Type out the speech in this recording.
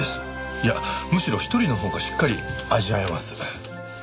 いやむしろ一人のほうがしっかり味わえます。